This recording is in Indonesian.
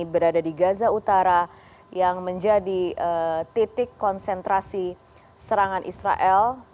berada di gaza utara yang menjadi titik konsentrasi serangan israel